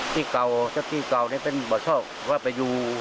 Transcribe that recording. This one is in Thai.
ที่เก่าที่เก่านี่ที่ไผ่